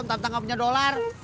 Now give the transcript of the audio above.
entah entah punya dollar